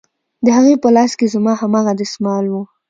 د هغې په لاس کښې زما هماغه دسمال و.